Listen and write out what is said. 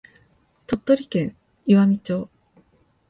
鳥取県岩美町